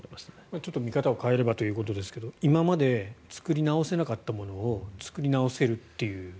ちょっと見方を変えればということですが今まで作り直せなかったものを作り直せるという。